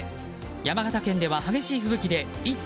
山形県では激しい吹雪で「イット！」